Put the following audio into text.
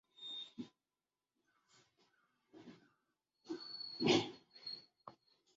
He also published school texts on zoology and geology.